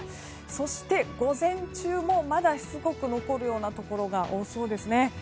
そして、午前中もまだしつこく残るようなところが多そうですね。